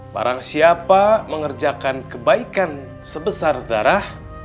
barang siapa mengerjakan kebaikan sebesar darah